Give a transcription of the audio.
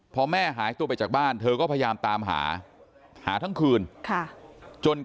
พอแม่หายตัวไปจากบ้าน